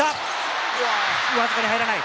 わずかに入らない。